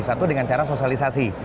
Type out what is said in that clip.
satu dengan cara sosialisasi